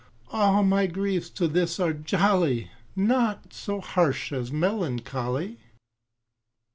All my griefs to this are jolly, Naught so harsh as melancholy.